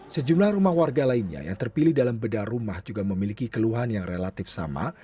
sejumlah rumah warga lainnya yang terpilih dalam bedah rumah juga memiliki keluhan yang relatif sama